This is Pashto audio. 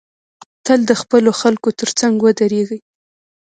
تل د خپلو خلکو تر څنګ ودریږی